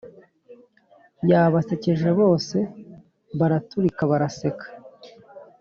yabasekeje bose baraturika baraseka